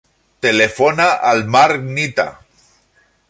Telefona al Marc Nita.